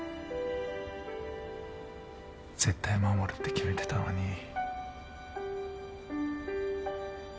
絶対守るって決めてたのに。